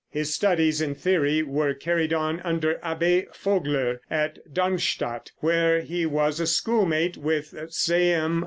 His studies in theory were carried on under Abbé Vogler, at Darmstadt, where he was a schoolmate with C.M.